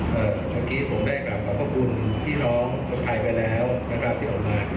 เมื่อกี้ผมได้กลับขอบพระคุณพี่น้องคนไทยไปแล้วนะครับที่ออกมา